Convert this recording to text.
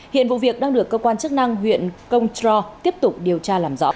hiện vụ việc đang được cơ quan chức năng huyện công trro tiếp tục điều tra làm rõ